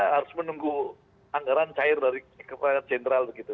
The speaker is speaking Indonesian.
harus menunggu anggaran cair dari keperluan jenderal